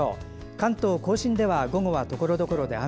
関東・甲信では、午後はところどころで雨。